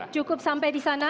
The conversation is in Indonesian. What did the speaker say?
cukup sampai di sana